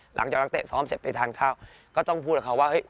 หลังจากนักเตะซ้อมเสร็จไปทานข้าวก็ต้องพูดกับเขาว่าเฮ้ย